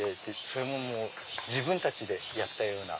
それも自分たちでやったような。